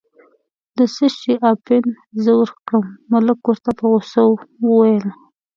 د څه شي اپین زه ورکړم، ملک ورته په غوسه وویل.